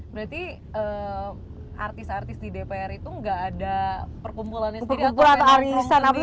berarti artis artis di dpr itu gak ada perkumpulan sendiri atau penerbangan sendiri